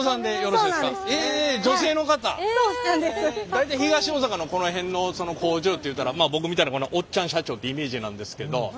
大体東大阪のこの辺のその工場っていうたらまあ僕みたいなおっちゃん社長ってイメージなんですけど。